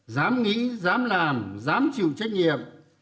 dám nghĩ dám làm dám chịu trách nhiệm